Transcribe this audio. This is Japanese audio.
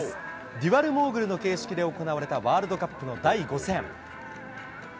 デュアルモーグルの形式で行われた、ワールドカップの第５戦。